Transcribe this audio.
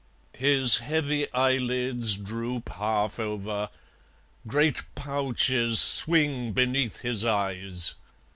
His heavy eyelids droop half over, Great pouches swing beneath his eyes.